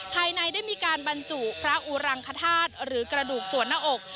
ภายในได้มีการบรรจุพระอุรังคธาตุหรือกระดูกส่วนหน้าอก